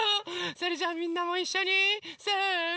それじゃあみんなもいっしょにせの。